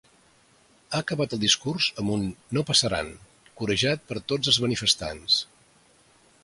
Ha acabat el discurs amb un ‘no passaran’, corejat per tots els manifestants.